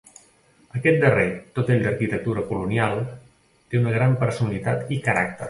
Aquest darrer, tot ell d'arquitectura colonial, té una gran personalitat i caràcter.